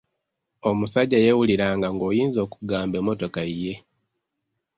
Omusajja yeewuliranga ng'oyinza okugamba emmotoka yiye.